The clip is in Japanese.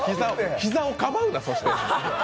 膝をかばうな、そして。